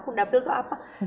kundapil tuh apa